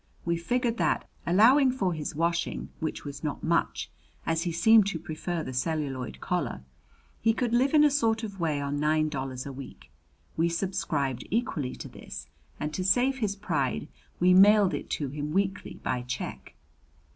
We figured that, allowing for his washing, which was not much, as he seemed to prefer the celluloid collar, he could live in a sort of way on nine dollars a week. We subscribed equally to this; and to save his pride we mailed it to him weekly by check.